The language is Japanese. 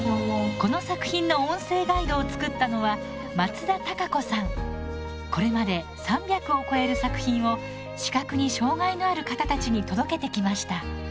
この作品の音声ガイドを作ったのはこれまで３００を超える作品を視覚に障がいのある方たちに届けてきました。